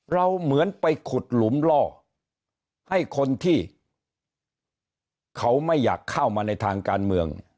เหมือนไปขุดหลุมล่อให้คนที่เขาไม่อยากเข้ามาในทางการเมือง